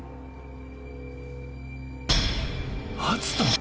篤斗！